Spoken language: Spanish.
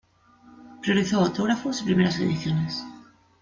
Priorizó autógrafos y primeras ediciones.